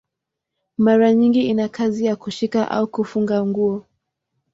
Mara nyingi ina kazi ya kushika au kufunga nguo.